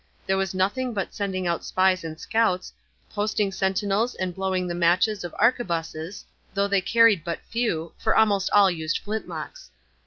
There was nothing but sending out spies and scouts, posting sentinels and blowing the matches of harquebusses, though they carried but few, for almost all used flintlocks.